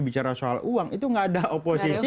bicara soal uang itu nggak ada oposisi